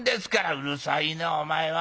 「うるさいなお前は。